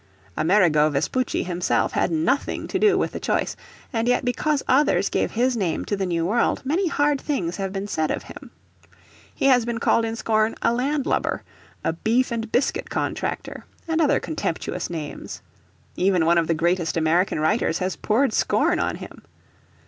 Amerigo Vespucci himself had nothing to do with the choice, and yet because others gave his name to the New World many hard things have been said of him. He has been called in scorn a "land lubber, " a beef and biscuit contractor," and other contemptuous names. Even one of the greatest American writers has poured scorn on him.